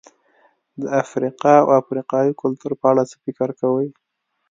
د افریقا او افریقایي کلتور په اړه څه فکر کوئ؟